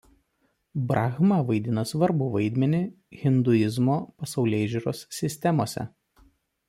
Brahma vaidina svarbų vaidmenį hinduizmo pasaulėžiūros sistemose.